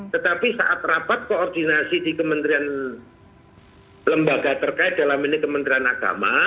tetapi saat rapat koordinasi di kementerian lembaga terkait dalam ini kementerian agama